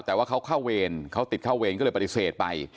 แต่ว่าเขาเข้าเวรเขาติดเข้าเวรก็เลยปฏิเสธไป